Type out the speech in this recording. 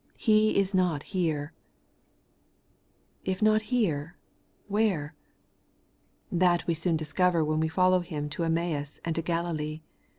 He is not here ! If not here, where ? That we soon discover when we follow Him to Emmaus and to Galilee.